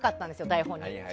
台本に。